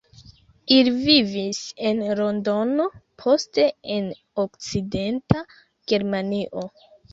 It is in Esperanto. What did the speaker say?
Ili vivis en Londono, poste en Okcidenta Germanio.